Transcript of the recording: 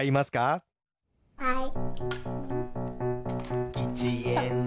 はい。